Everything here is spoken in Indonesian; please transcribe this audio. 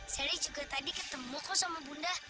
setti juga tadi ketemu kau sama bunda